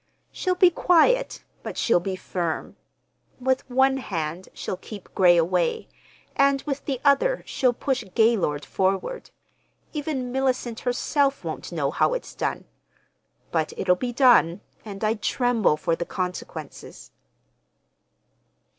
She'll be quiet, but she'll be firm. With one hand she'll keep Gray away, and with the other she'll push Gaylord forward. Even Mellicent herself won't know how it's done. But it'll be done, and I tremble for the consequences."